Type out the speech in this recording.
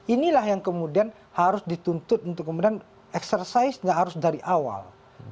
inilah yang kemudian harus dituntut untuk kemudian eksersis nggak harus dari awal